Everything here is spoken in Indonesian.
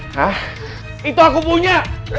hah itu aku punya